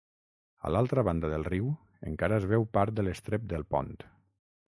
A l'altra banda del riu encara es veu part de l'estrep del pont.